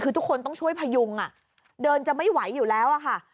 คือทุกคนต้องช่วยพยุงเดินจะไม่ไหวอยู่แล้วอะค่ะ